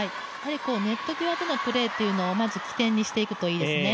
ネット際でのプレーを起点にしていくといいですね。